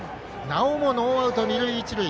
なおもノーアウト二塁一塁。